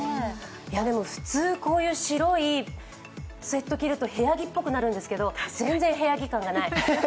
普通、こういう白いスエットを着ると部屋着っぽくなるんですけれど、全然、部屋着感がない。